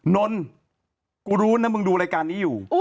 นนกูรู้นะมึงดูรายการนี้อยู่